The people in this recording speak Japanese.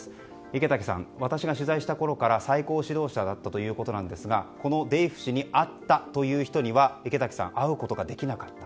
池滝さん、私が取材したころから最高指導者だったということなんですがこのデイフ氏に会ったという方には池滝さん会うことができなかった。